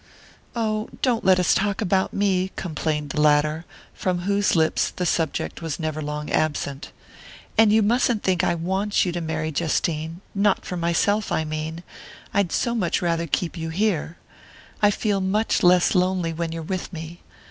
"Oh, don't let us talk about me," complained the latter, from whose lips the subject was never long absent. "And you mustn't think I want you to marry, Justine; not for myself, I mean I'd so much rather keep you here. I feel much less lonely when you're with me.